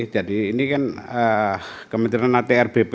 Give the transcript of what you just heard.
jadi ini kan kementerian atrb